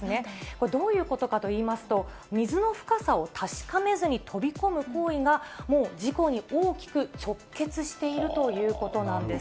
これどういうことかといいますと、水の深さを確かめずに飛び込む行為が、もう事故に大きく直結しているということなんです。